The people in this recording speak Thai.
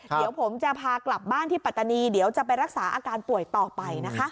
เดี๋ยวผมจะพากลับบ้านที่ปัตตานีเดี๋ยวจะไปรักษาอาการป่วยต่อไปนะคะ